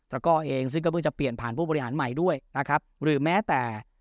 ก้อเองซึ่งก็เพิ่งจะเปลี่ยนผ่านผู้บริหารใหม่ด้วยนะครับหรือแม้แต่